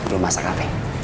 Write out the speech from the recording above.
lu masak apa ya